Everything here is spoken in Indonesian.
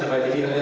coba di letakkan